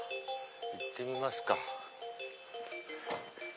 行ってみますか。